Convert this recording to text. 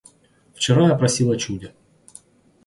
Вчера я просил о чуде.